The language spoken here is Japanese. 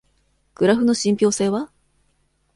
グラフの信憑性は？